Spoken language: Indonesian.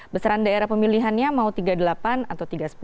besaran daerah pemilihannya mau tiga puluh delapan atau tiga ratus sepuluh